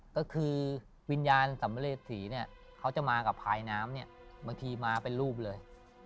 ก็คือวิญญาณสำเร็จศรีเนี่ยเขาจะมากับพลายน้ำเนี่ยเมื่อกี้มาเป็นรูปเลย